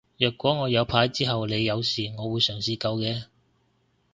若果我有牌之後你有事我會嘗試救嘅